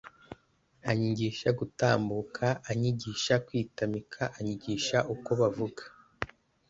Anyigisha gutambuka anyigisha kwitamika anyigisha uko bavuga